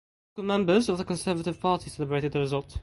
Local members of the Conservative Party celebrated the result.